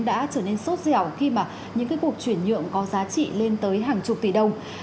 đã trở nên sốt dẻo khi mà những cuộc chuyển nhượng có giá trị lên tới hàng chục tỷ đồng